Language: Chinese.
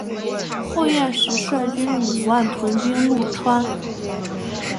后燕时率军五万屯兵潞川。